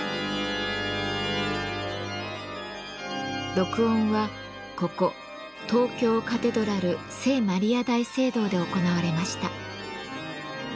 録音はここ東京カテドラル聖マリア大聖堂で行われました。